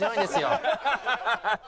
アハハハ！